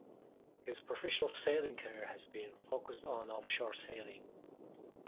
His professional sailing career has been focused on Offshore sailing.